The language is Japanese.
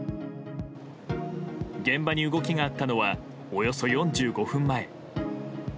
現場に動きがあったのはおよそ４５分前。